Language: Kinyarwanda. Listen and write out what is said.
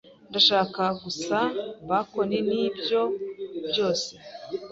Ndashaka gusa bacon, nibyo byose.